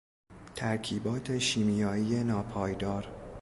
ترکیبات شیمیایی ناپایدار